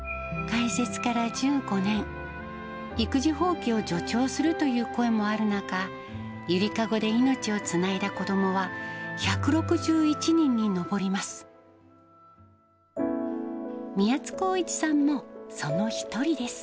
開設から１５年、育児放棄を助長するという声もある中、ゆりかごで命をつないだ子どもは１６１人に上ります。